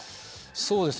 そうですね。